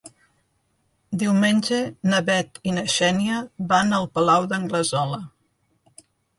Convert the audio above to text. Diumenge na Bet i na Xènia van al Palau d'Anglesola.